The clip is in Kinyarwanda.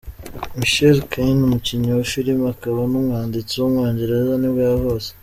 Michael Caine, umukinnyi wa filime akaba n’umwanditsi w’umwongereza nibwo yavutse.